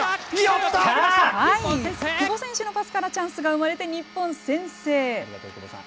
久保選手のパスからチャンスが生まれて日本が先制。